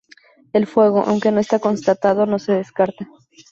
El fuego, aunque no está constatado, no se descarta.